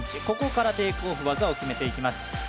ここからテイクオフ技を決めていきます。